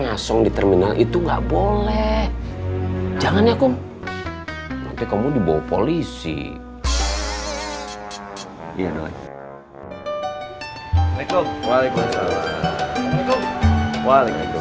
ngasong di terminal itu nggak boleh jangan ya kum nanti kamu dibawa polisi iya doi waalaikumsalam